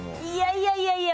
いやいやいや。